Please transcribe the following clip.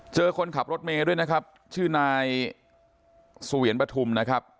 คนขับรถเมย์ด้วยนะครับชื่อนายสุเวียนปฐุมนะครับ